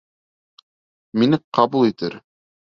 Мине ҡабул итер.